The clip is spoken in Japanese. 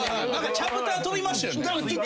チャプター飛びましたよね。